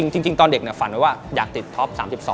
จริงตอนเด็กฝันไว้ว่าอยากติดท็อป๓๒